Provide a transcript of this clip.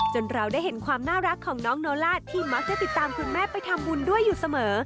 เราได้เห็นความน่ารักของน้องโนล่าที่มักจะติดตามคุณแม่ไปทำบุญด้วยอยู่เสมอ